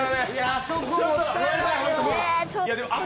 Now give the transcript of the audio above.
あそこ、もったいないよ。